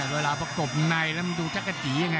เวลาประกบในแล้วดูชักกะจีอย่างไร